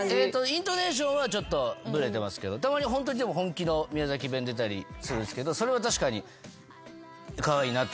イントネーションはちょっとブレてますけどたまに本気の宮崎弁出たりするんすけどそれは確かに。